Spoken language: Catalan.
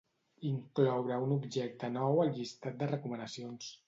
Incloure un objecte nou al llistat de recomanacions.